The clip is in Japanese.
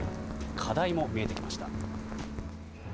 課題も見えてきました。